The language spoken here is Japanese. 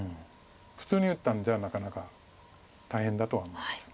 普通に打ったんじゃなかなか大変だとは思います。